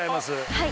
はい。